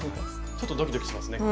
ちょっとドキドキしますね。